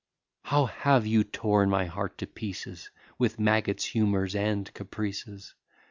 How have you torn my heart to pieces With maggots, humours, and caprices!